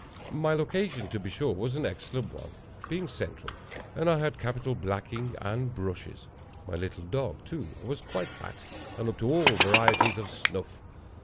My location, to be sure, was an excellent one, being central, and I had capital blacking and brushes. My little dog, too, was quite fat and up to all varieties of snuff.